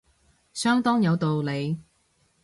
相當有道理